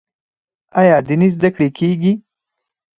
آیا دیني زده کړې کیږي؟